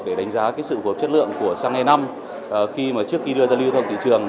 để đánh giá cái sự vột chất lượng của xăng e năm khi mà trước khi đưa ra lưu thông thị trường